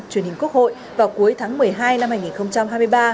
truyền hình quốc hội vào cuối tháng một mươi hai năm hai nghìn hai mươi ba